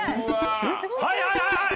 はいはいはいはい！